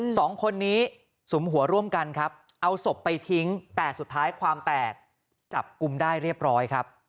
สองคนนี้สุมหัวร่วมกันครับเอาศพไปทิ้งแต่สุดท้ายความแตกจับกลุ่มได้เรียบร้อยครับ